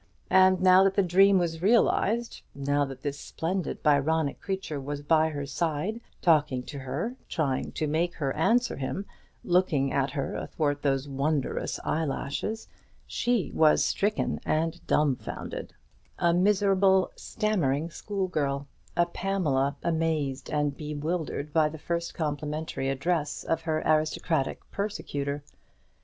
And now that the dream was realized; now that this splendid Byronic creature was by her side, talking to her, trying to make her answer him, looking at her athwart those wondrous eyelashes, she was stricken and dumbfounded; a miserable, stammering school girl; a Pamela, amazed and bewildered by the first complimentary address of her aristocratic persecutor.